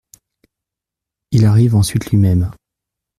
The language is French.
Il arrive ensuite lui-même.